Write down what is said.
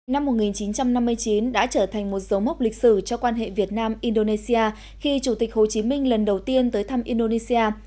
năm một nghìn chín trăm năm mươi chín đã trở thành một dấu mốc lịch sử cho quan hệ việt nam indonesia khi chủ tịch hồ chí minh lần đầu tiên tới thăm indonesia